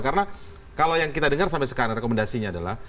karena kalau yang kita dengar sampai sekarang rekomendasinya adalah